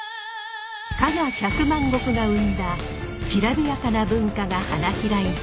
加賀百万石が生んだきらびやかな文化が花開いた土地です。